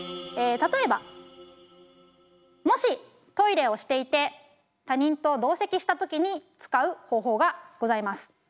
例えばもしトイレをしていて他人と同席した時に使う方法がございます。